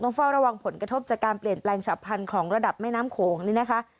เฝ้าระวังผลกระทบจากการเปลี่ยนแปลงฉับพันธุ์ของระดับแม่น้ำโขงนี่นะคะ